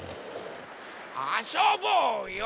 あそぼうよ！